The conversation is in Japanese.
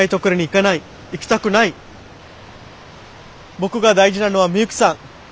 僕が大事なのはミユキさん。